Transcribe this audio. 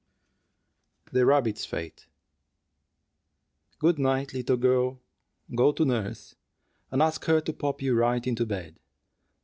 THE RABBITS' FÊTE. BY MRS. E. P. PERRIN. "Good night, little girl. Go to nurse, and ask her to pop you right into bed."